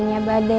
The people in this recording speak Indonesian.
nanti aku beli